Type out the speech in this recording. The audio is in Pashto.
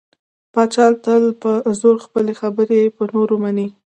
پاچا تل په زور خپلې خبرې په نورو مني .